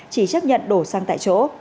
chỉ chấp nhận đổ xăng tại chỗ